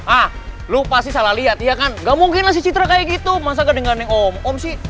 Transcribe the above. ah lo pasti salah liat iya kan gak mungkin lah si citra kayak gitu masa gak dengerin om om sih